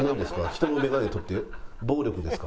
人の眼鏡取って暴力ですか？